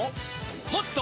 「もっと！